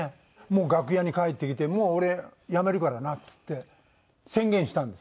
もう楽屋に帰ってきて「もう俺辞めるからな」っつって宣言したんです。